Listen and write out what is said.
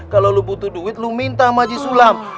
kalau lu butuh duit lu minta sama haji sulam